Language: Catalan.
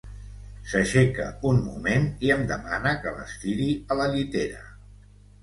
S'aixeca un moment i em demana que l'estiri a la llitera.